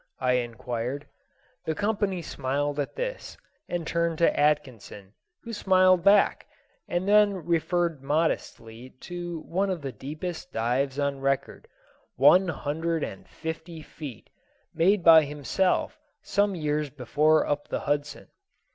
I inquired. The company smiled at this, and turned to Atkinson, who smiled back, and then referred modestly to one of the deepest dives on record, one hundred and fifty feet, made by himself some years before up the Hudson.